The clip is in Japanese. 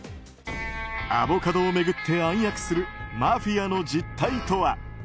アボカドを巡って暗躍するマフィアの実態とは。